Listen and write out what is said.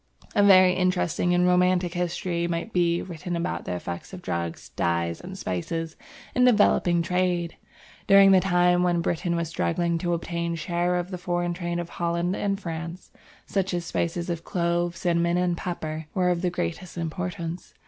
A very interesting and romantic history might be written about the effect of drugs, dyes, and spices in developing trade. During the time when Britain was struggling to obtain a share of the foreign trade of Holland and France, such spices as Clove, Cinnamon, and Pepper were of the greatest importance.